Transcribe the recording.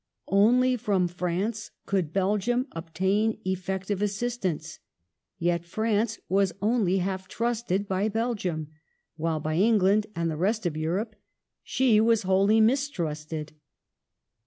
Only from France could Belgium obtain effective assistance ; yet France was only half trusted by Belgium, while by England and the rest of Europe she was wholly mistrusted.